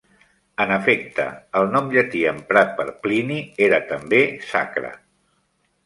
En efecte, el nom llatí emprat per Plini era també "Sacra".